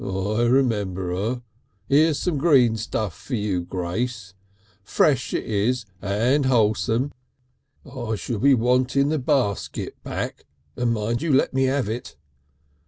I remember her. Here's some green stuff for you, Grace. Fresh it is and wholesome. I shall be wanting the basket back and mind you let me have it....